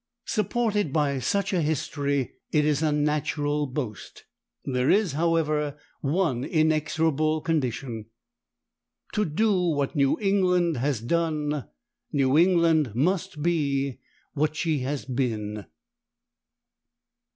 Supported by such a history it is a natural boast. There is, however, one inexorable condition. To do what New England has done, New England must be what she has been.